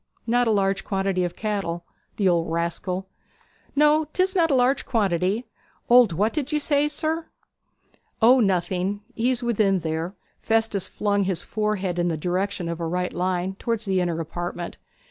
'H'm, not a large quantity of cattle. The old rascal!' 'No, 'tis not a large quantity. Old what did you say, sir?' 'O nothing. He's within there.' Festus flung his forehead in the direction of a right line towards the inner apartment.